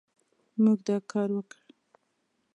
موږ دا کار وکړ